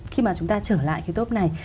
khi mà chúng ta trở lại cái top này